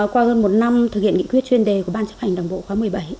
qua hơn một năm thực hiện nghị quyết chuyên đề của ban chấp hành đảng bộ khóa một mươi bảy